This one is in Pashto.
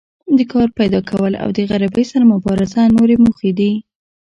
د کار پیداکول او د غریبۍ سره مبارزه نورې موخې دي.